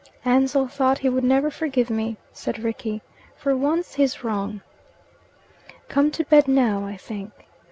"Ansell thought he would never forgive me," said Rickie. "For once he's wrong." "Come to bed now, I think."